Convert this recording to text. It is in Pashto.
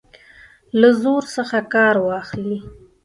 له زور څخه کار واخلي.